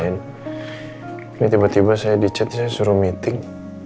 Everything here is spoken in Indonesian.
ini tiba tiba saya dicatnya suruh meeting